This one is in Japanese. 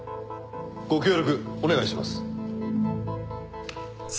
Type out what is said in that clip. ご協力お願いします。